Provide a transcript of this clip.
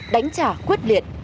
đánh trả quyết liệt